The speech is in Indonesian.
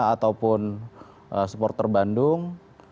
ataupun supporter bandung